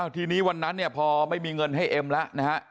ทีนี้วันนั้นเนี่ยพอไม่มีเงินให้เอ็มแล้วนะฮะ